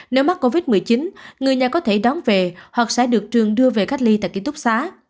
nếu mắc covid một mươi chín người nhà có thể đón về hoặc sẽ được trường đưa về cách ly tại ký túc xá